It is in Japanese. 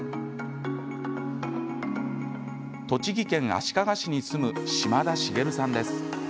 栃木県足利市に住む島田茂さんです。